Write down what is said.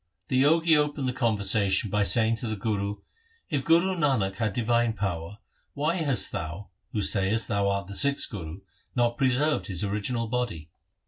The Jogi opened the conversation by saying to the Guru, ' If Guru Nanak had divine power, why hast thou, who sayest thou art the sixth Guru, not preserved his original body